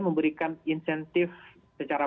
memberikan insentif secara